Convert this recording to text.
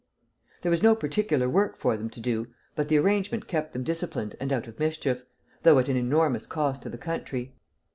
There was no particular work for them to do, but the arrangement kept them disciplined and out of mischief, though at an enormous cost to the country.